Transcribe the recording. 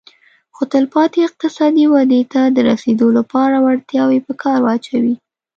خو تلپاتې اقتصادي ودې ته د رسېدو لپاره وړتیاوې په کار واچوي